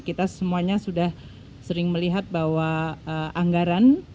kita semuanya sudah sering melihat bahwa anggaran